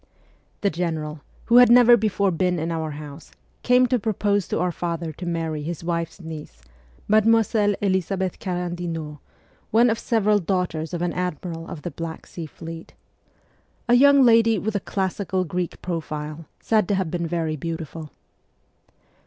The general, who had never before been in our house, came to propose to our father to marry his wife's niece, Mademoiselle Elisabeth Karandino, one of several daughters of an admiral of the Black Sea fleet CHILDHOOD 17 a young lady with a classical Greek profile, said to have been very beautiful.